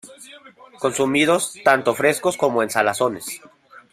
Consumidos tanto frescos, como en salazones.